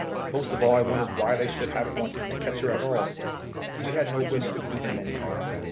Most of all I wondered why they should have wanted to catch her at all. We had no wish to do them any harm.